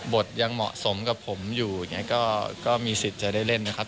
ยังเหมาะสมกับผมอยู่อย่างนี้ก็มีสิทธิ์จะได้เล่นนะครับ